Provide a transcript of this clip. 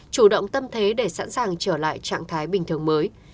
chủ động tâm thế để sẵn sàng trở lại trạng thái bình thường mới